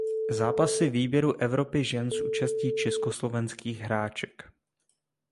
Zápasy výběru Evropy žen s účastí československých hráček.